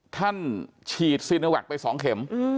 ท่านฉีดซินโอแว็กไป๒เข็ม